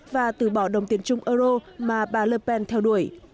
và từ bỏ đồng tiền chung euro mà bà ler pen theo đuổi